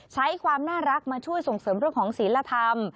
ใช้ความน่ารักมาช่วยส่งเสริมเรื่องของศิลธรรม